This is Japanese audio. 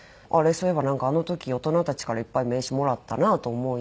そういえばなんかあの時大人たちからいっぱい名刺もらったなと思い